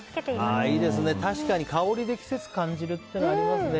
いいですね、確かに香りで季節を感じるのはありますね。